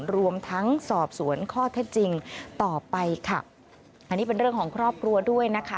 รวมทั้งสอบสวนข้อเท็จจริงต่อไปค่ะอันนี้เป็นเรื่องของครอบครัวด้วยนะคะ